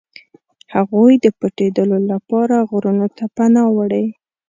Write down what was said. هغوی د پټېدلو لپاره غرونو ته پناه وړي.